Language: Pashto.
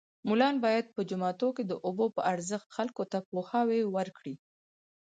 ملان باید په جوماتو کې د اوبو په ارزښت خلکو ته پوهاوی ورکړي